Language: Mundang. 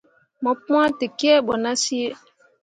Mo pwãa tekǝbo nah sǝǝ.